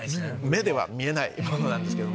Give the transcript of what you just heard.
目では見えないものなんですけど。